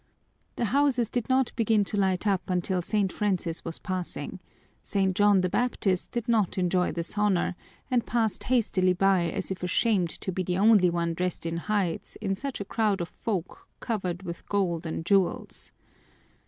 The houses did not begin to light up until St. Francis was passing; St. John the Baptist did not enjoy this honor and passed hastily by as if ashamed to be the only one dressed in hides in such a crowd of folk covered with gold and jewels.